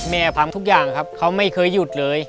ทำทุกอย่างครับเขาไม่เคยหยุดเลย